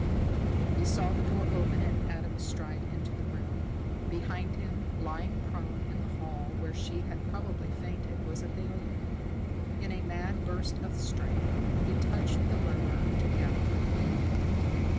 He saw the door open and Adam stride into the room. Behind him, lying prone in the hall where she had probably fainted, was Athalia. In a mad burst of strength he touched the lever together with Eve.